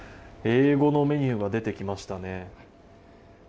英語のメニューが出てきましたね。